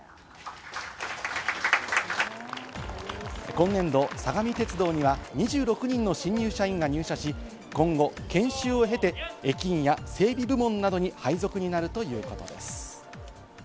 今年度、相模鉄道には２６人の新入社員が入社し、今後、研修を経て、駅員や整備部門などに配属になるということです。